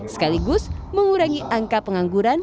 sekaligus mengurangi angka pengangguran